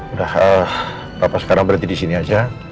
udah eh papa sekarang berarti di sini aja